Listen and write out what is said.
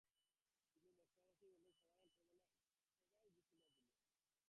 তিনি মক্কাবাসীর জন্য সাধারণ ক্ষমার ঘোষণা দিলেন।